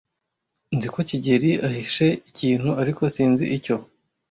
Nzi ko kigeli ahishe ikintu, ariko sinzi icyo.